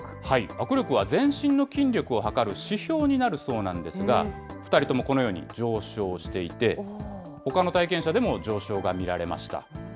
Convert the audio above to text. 握力は全身の筋力をはかる指標になるそうなんですが、２人ともこのように上昇していて、ほかの体験者でも上昇が見られました。